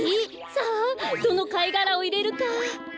さあどのかいがらをいれるか？